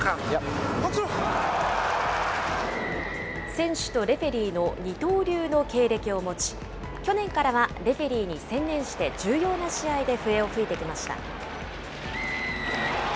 選手とレフェリーの二刀流の経歴を持ち、去年からはレフェリーに専念して、重要な試合で笛を吹いてきました。